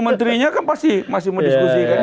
menterinya kan pasti masih mendiskusikan